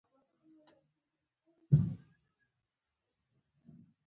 زه شعر لولم